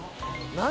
何？